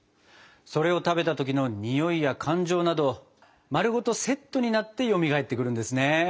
それを食べた時のにおいや感情など丸ごとセットになってよみがえってくるんですね。